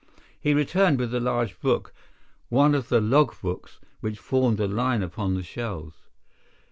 He returned with a large book, one of the logbooks which formed a line upon the shelves.